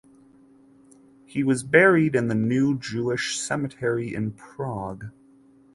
He was buried at the New Jewish Cemetery in Prague.